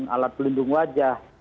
alat pelindung wajah